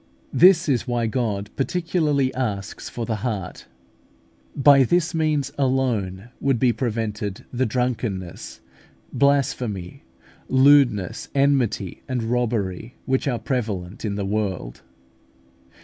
This is why God particularly asks for the heart. By this means alone would be prevented the drunkenness, blasphemy, lewdness, enmity, and robbery which are prevalent in the world.